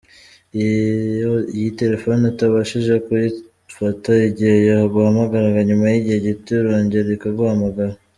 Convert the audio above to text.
Iyo iyi telefone utabashije kuyifata igihe yaguhamagaraga, nyuma y’igihe gito irongera ikaguhamagara.